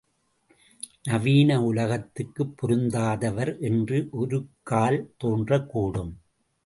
நவீன உலகத்துக்குப் பொருந்தாதவர் என்று ஒருக்கால் தோன்றக்கூடும்.